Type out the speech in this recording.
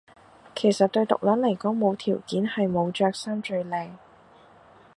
其實對毒撚嚟講無條件係冇着衫最靚